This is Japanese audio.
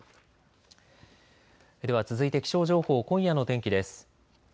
では続いて気象情報、今夜の天気です。